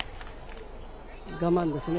我慢ですね。